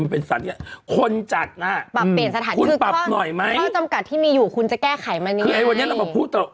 พอจำกัดที่มีอยู่คุณจะแก้ไขมันไงคือไอ้วันนี้เรามาพูด